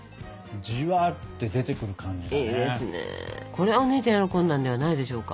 これはお姉ちゃん喜んだんではないでしょうか。